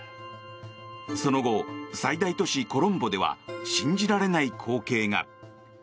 その後、最大都市コロンボでは信じられない光景が。